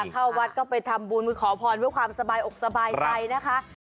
เข้าวัดก็ไปทำบุญขอพรเพื่อความสบายอกสบายใจนะคะ